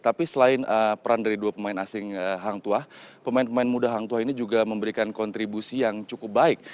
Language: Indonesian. tapi selain peran dari dua pemain asing hangtua pemain pemain muda hangtua ini juga memberikan kontribusi yang cukup baik